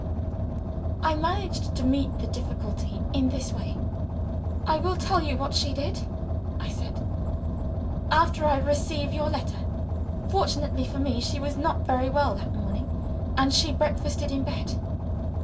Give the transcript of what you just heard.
I managed to meet the difficulty in this way. "I will tell you what she did," I said, "after I received your letter. Fortunately for me, she was not very well that morning; and she breakfasted in bed.